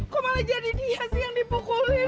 kok malah jadi dia sih yang dipukulin